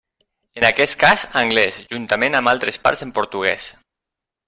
En aquest cas, anglès, juntament amb altres parts en portuguès.